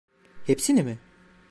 Hepsini mi?